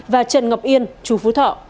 và trần ngọc yên chú phú thọ